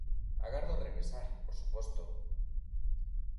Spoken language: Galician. Agardo regresar, por suposto.